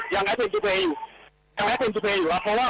ยังไม่ถูกอยู่เลยครับเพราะว่าขา